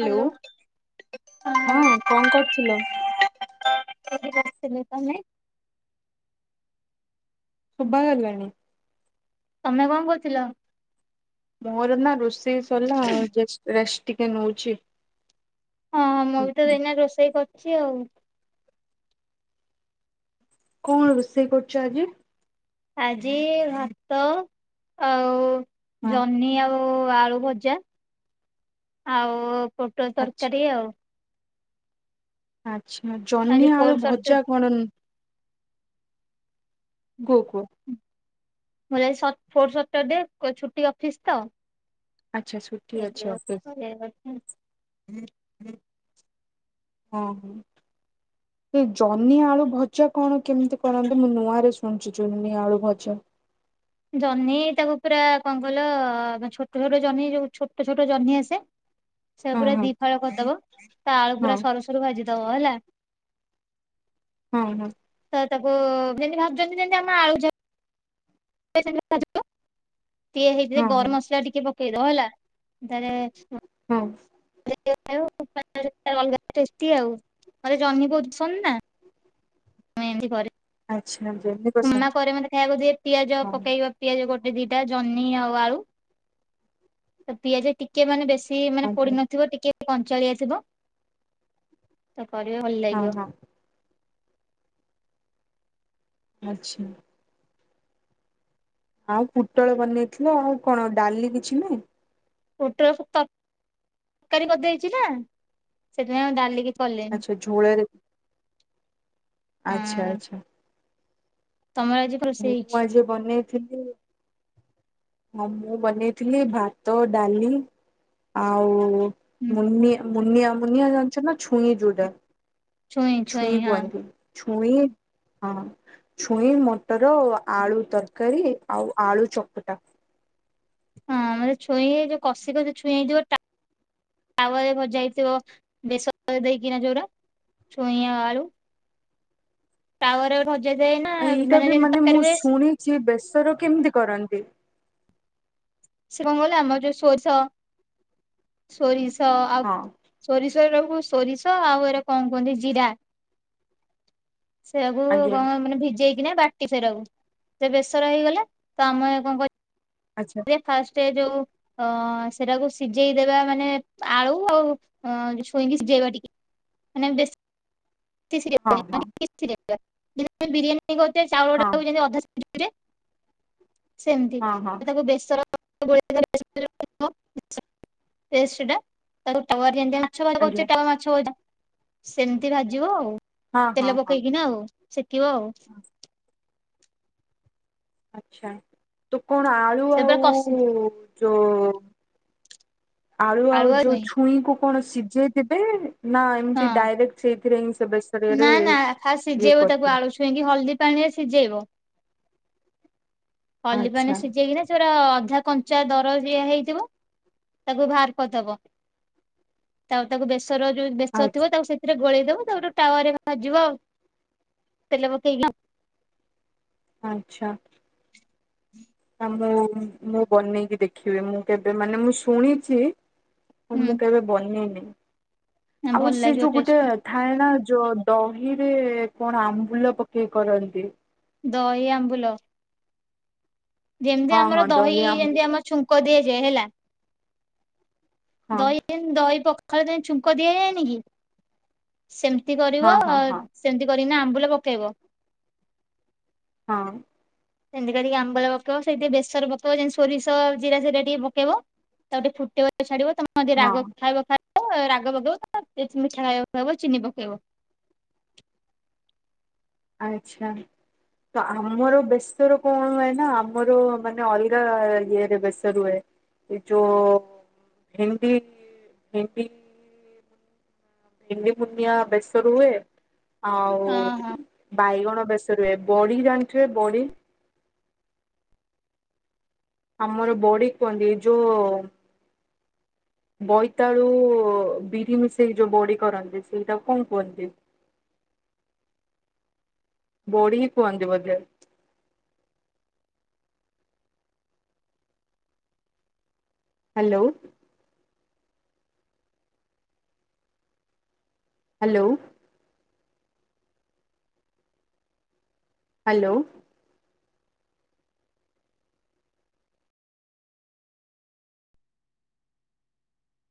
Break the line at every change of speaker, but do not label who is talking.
Hello.
ହଁ କଣ କରୁଥିଲ
ଏଇଠୀ ବସିଥିଲି ତମେ?
ଶୁଭା ଗଲାଣି।
ତମେ କଣ କରୁଥିଲ?
ମୋର ନା ରୋଷେଇ ସରିଲା ଜେସ ପ୍ରେସ ଟିକେ ନଉଛି।
ହଁ ମୁଁ ବି ତ ଏଇନା ରୋଷେଇ କରିଛି ଆଉ।
କଣ ରୋଷେଇ କରୁଛ ଆଜି?
ଆଜି ଭାତ ଆଉ
ହଁ
ଜହ୍ନି ଆଉ ଓ ଆଳୁ ଭଜା ଆଉ ପୋଟଳ
ଆଚ୍ଛା
ତରକାରୀ ଆଉ।
ଆଛା
ଆଜି
ଜହ୍ନି ଆଳୁ
ଫୋର୍ ସଟର
ଭଜା କଣ ନ୍ କୁହ କୁହ।
ମୋର ଆଜି ସତ୍ ଫୋର୍ ସଟର୍ଡେ କୋ ଛୁଟି ଅଫିସ ତ।
ଆଚ୍ଛା ଛୁ
[unintelligible]
ଓହୋ!
[inaudible]
ସେ ଜହ୍ନି ଆଳୁ ଭଜା କଣ କେମିତି କରନ୍ତୀ ମୁଁ ନୂଆରେ ଶୁଣୁଛି ଜହ୍ନି ଆଳୁ ଭଜା।
ଜହ୍ନି ତାକୁ ପୁରା କଣ କହିଲ ଛୋଟ ଛୋଟ ଜହ୍ନି ଯୋଉ ଛୋଟ ଛୋଟ ଜହ୍ନି ଆସେ? ସେ
ହଁ
ପୁରା
ହଁ
ଦି ଫାଳ କରିଦବ ତା ଆଳୁ
ହଁ
ପୁରା ସରସରୁ ଭାଜି ଦବ ହେଲା।
ହଁ ହଁ।
ତ ତାକୁ ଯେମିତି ଭାବୁଛନ୍ତି ଯେମିତି ଆମ ଆଳୁ ଯେମି ସେମିତି ଭାଜିବ ସିଏ ହେଇ
ହଁ ହଁ
ଗରମ ମସଲା ଟିକେ ପକେଇବ ହେଲା। ତାରେ
ହଁ
[unintelligible] ଟେଷ୍ଟି ଆଉ ମତେ ଜହ୍ନି ବହୁତ୍ ପସନ୍ଦ ନା। ମୁଁ ଏମିତି କରି
ଆଚ୍ଛା [unintelligible]
ମାମା କରେ ମତେ ଖାଇବାକୁ ଦିଏ ପିଆଜ
ହଁ
ପକେଇବ। ପିଆଜ ଗୋଟେ ଦିଟା ଜହ୍ନି ଆଉ ଆଳୁ ତ ପିଆଜ ଟିକେ ଟିକେ ମାନେ ବେଶୀ ମାନେ
ଆଜ୍ଞା
ପୋଡ଼ି ନଥିବ ଟିକେ କଞ୍ଚାଳିଆ ଥିବ ତ କରିବ ଭଲ
ହଁ
ଲାଗିବ।
ହଁ ଆଚ୍ଛା। ଆଉ ପୋଟଳ ବନେଇଥିଲ ଆଉ କଣ ଡାଲି କିଛି ନାହିଁ?
ପୋଟଳ ତ ତରକାରୀ କରିଦେଇଛି ନା ସେଥିପାଇଁ ଆ ଡାଲି କଲିନି
ଆଚ୍ଛା ଝୋଳରେ ଆଚ୍ଛା
ହଁ
ଆଚ୍ଛା।
ତମର ଆଜି ରୋଷେଇ
ମୁଁ
ହେଇଛି
ଆଜି ବନେଇଥିଲି ହଁ ମୁଁ ବନେଇଥିଲି ଭାତ, ଡାଲି ଆଉ ମୁନିଆ ମୁନିଆ ମୁନିଆ ଜାଣିଛ ନା? ଛୁଇଁ ଜୋଉଟା ଛୁଇଁ କହନ୍ତି। ଛୁଇଁ ହଁ ଛୁଇଁ ମ ମଟର ଆଳୁ ତରକାରୀ ଆଉ ଆଳୁ ଚକଟା।
ହଁ ମାନେ ଛୁଇଁ ହେଇ ଯୋଉ କଷିଟା ଯୋଉ ଛୁଇଁ ହେଇଥିବ ତା ତାୱରେ ଭଜା ହେଇଥିବ ବେସର ଦେଇକିନା ଯଉ ଛୁଇଁ ଆଳୁ। ତାୱାର ଭଜେଇ ଦେଇନା ନା ମାନେ ଯେମିତି ତରକାରୀ ହୁଏ
ସିଏ ବେସର କେମିତି କରନ୍ତି?
ସେ କଣ କହିଲ ଆମର ଯୋଉ ସୋରିଷ ସୋରିସ ଆ
ହଁ
ସୋରିଷ ରୁ ସୋରିଷ ଆଉ ଏରା କଣ କୁହନ୍ତି ଜିରା ସେୟାକୁ
ଆଜ୍ଞା
କଣ ମାନେ ଭିଜେଇକିନା ବାଟି ସେରାକୁ ସେ ବେସର ହେଇଗଲେ ତ ଆମେ କଣ କ
ଆଚ୍ଛା।
ଫାଷ୍ଟେ ଯଉ ଅ ସେଟାକୁ ସିଝେଇଦବା ମାନେ ଆଳୁ ଆଉ ଛୁଇଁକି ସିଝେଇବା ଟିକେ। ମାନେ ବେଶ
ହଁ
ସିଜେଇବାନି
ହଁ
[unintelligible] ବିରିୟାନୀ କରୁଚେ ଚାଉଳା
ହଁ
ଟାକୁ ଅଧା ସି [unintelligible] ସେମତି
ହଁ ହଁ
ତାକୁ ବେସର [unintelligible] ପେଷ୍ଟଟା ତାକୁ ତାୱାରେ ଏଇମିତିଆ ମାଛଭଜୁଛେ
ଆଜ୍ଞା
ତାୱାମାଛ ସେମିତି ଭାଜିବ ଆଉ
ହଁ ହଁ
ତେଲ
ହଁ
ପକେଇକିନା ଆଉ। ସେକିବି ଆଉ।
ଆଛା ତ କଣ ଆଳୁ
ସେ ପୁରା କସି
ଓ ଯୋ ଆଳୁ ଆଉ ଯଉ ଛୁଇଁ କୁ କଣ ସିଝେଇ ଦେବେ ନା
ହଁ
ଏମିତି ଡାଇରେକ୍ଟ ସେଇଥିରେ ହିଁ ସେ ବେଶର ରେ ଇଏ କରି
ଛୁଇଁ କୁ ହଳଦୀ ପାଣିରେ ସିଝେଇବ ହଳଦୀ ପାଣି ରେ
ଆଚ୍ଛା
ସିଝେଇକିନି ସେରା ଅଧା କଞ୍ଚା ଦର ହେଇଥିବ ତାକୁ ବାହାର କରିଦବ। ଆଉ ତାକୁ ବେଶର ଯୋଉ ବେଶର ଥିବ
ଆଚ୍ଛା
ତାକୁ ସେ ରେ ଗୋଳେଇ ଦବ ତାପରେ ତାୱା ଭାଜିବ ଆଉ ତେଲ ପକେଇକିନା
ଆଚ୍ଛା।
ହୁଁ।
ନା ମୁଁ ମୁଁ ବନେଇକି ଦେଖିବି ମୁଁ କେବେ ମାନେ ମୁଁ ଶୁଣିଚି ମୁଁ
ହୁଁ
କେବେ ବନେଇନି
ଭଲ
ଆଉ ସେ
ଲାଗିବ
ଯୋଉ ଗୋଟେ
ଟେଷ୍ଟ।
ଥାଏ ଣା ଯୋ ଦହିରେ କଣ ଆମ୍ବୁଲ ପକେଇ କରନ୍ତି।
ଦହି ଆମ୍ବୁଲ। ଯେମିତି
ହଁ
ଆମର
ହଁ
ଦହି ଯେମତି
ଆମ୍ବୁଲ
ଆମର ଛୁଙ୍କ ଦିଆଯାଏ ହେଲା
ହଁ
ଦହି ହିନ ଦହି ପଖାଳ ଯାଏ ଛୁଙ୍କ ଦିଆଯାଏନି କି ସେମିତି କରିବ
ହଁ ହଁ ହଁ
ସେମିତି କରିକିନା ଆମ୍ବୁଲ ପକେଇବ।
ହଁ।
ସେମିତି କରିକି ଆମ୍ବୁଲ ପକେଇବ ସେଇତିରେ ବେସର ପକେଇବ ଯେମିତି ସୋରିଷ ଜିରା ସେଟା ଟିକେ ପକେଇବ। ତାକୁ ଟିକ ଫୁଟେଇବା ଛାଡିବ ତମେ ହଁ ଯିଏ ରାଗ ଖାଇବ ଖାଇବ ରାଗ ପକେଇବ ଯିଏ ମିଠା ଖାଇବ ଚିନି ପକେଇବ।
ଆଚ୍ଛା। ତ ଆମର ବେସର କଣ ହୁଏ ନା ଆମର ମାନେ ଅଲଗା ଇଏରେ ବେସର ହୁଏ। ଏ ଜୋ ଭେଣ୍ଡି ଭେଣ୍ଡି ଭେଣ୍ଡି ପୁନିଆ ବେସର ହୁଏ। ଆଉ
ହଁ ହଁ।
ବାଇଗଣ ବେସର ହୁଏ, ବଡି ଜାଣିଥିବେ ବଡି? ଆମର ବଡି କୁହନ୍ତି। ଏ ଯୋଓ ବୋଇତାଳୁ ବିରି ମିଶେଇ ଯୋଉ ବଡି କରନ୍ତି ସେଇଟାକୁ କନ କୁହନ୍ତି? ବୋଢ଼ି କୁହନ୍ତି ବୋଧେ। ହ୍ୟାଲୋ। ହ୍ୟାଲୋ। ହ୍ୟାଲୋ।